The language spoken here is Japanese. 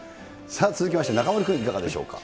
続きまして中丸君、いかがでしょうか。